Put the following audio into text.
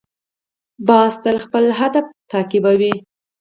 باز تل خپل هدف تعقیبوي